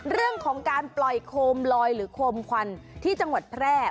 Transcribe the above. เรื่องของการปล่อยโคมลอยหรือโคมควันที่จังหวัดแพร่